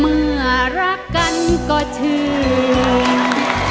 เมื่อรักกันก็ถึง